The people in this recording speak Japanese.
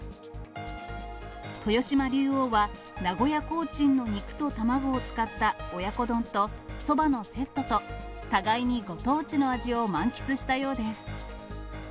豊島竜王は、名古屋コーチンの肉と卵を使った親子丼とそばのセットと、互いにご当地の味を満喫したようです。